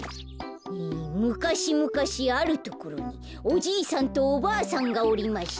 「むかしむかしあるところにおじいさんとおばあさんがおりました。